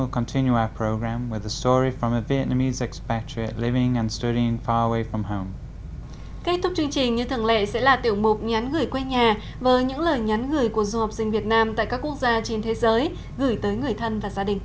kết thúc chương trình như thường lệ sẽ là tiểu mục nhắn gửi quê nhà với những lời nhắn gửi của du học sinh việt nam tại các quốc gia trên thế giới gửi tới người thân và gia đình